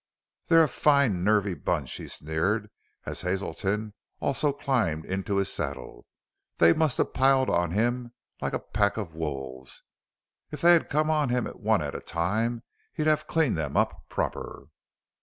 "They're a fine, nervy bunch!" he sneered as Hazelton also climbed into his saddle. "They must have piled onto him like a pack of wolves. If they'd have come one at a time he'd have cleaned them up proper!"